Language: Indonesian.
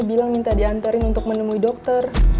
bilang minta diantarin untuk menemui dokter